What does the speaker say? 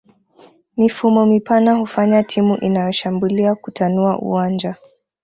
Mifumo mipana hufanya timu inayoshambulia kutanua uwanja